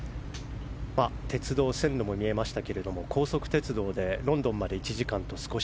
鉄道線路も見えましたが高速鉄道でロンドンまで１時間と少し。